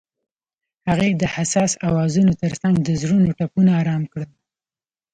هغې د حساس اوازونو ترڅنګ د زړونو ټپونه آرام کړل.